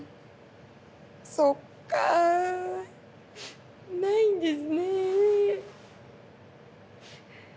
そっかないんですね。